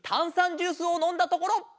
ジュースをのんだところ！